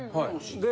で